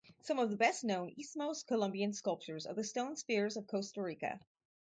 Some of the best-known Isthmo-Colombian sculptures are the stone spheres of Costa Rica.